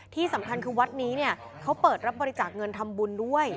ที่สำคัญคือวัดนี้เนี่ยเขาเปิดรับบริจาคเงินทำบุญด้วย